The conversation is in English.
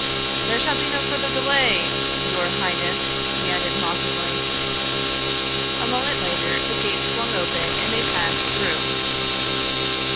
"There shall be no further delay, your highness!" he added mockingly. A moment later the gates swung open and they passed through.